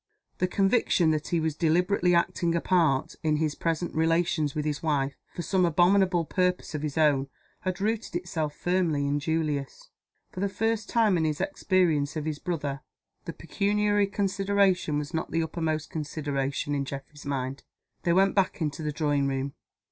The conviction that he was deliberately acting a part, in his present relations with his wife, for some abominable purpose of his own, had rooted itself firmly in Julius. For the first time in his experience of his brother, the pecuniary consideration was not the uppermost consideration in Geoffrey's mind. They went back into the drawing room.